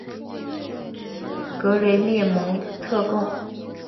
格雷涅蒙特贡。